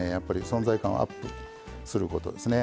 存在感をアップすることですね。